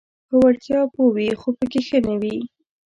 په وړتیا پوه وي خو پکې ښه نه وي: